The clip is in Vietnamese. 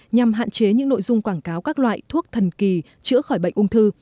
nhằm hạn chế những nội dung quảng cáo các loại thuốc thân thiện